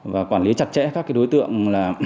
và quản lý chặt chẽ các đối tượng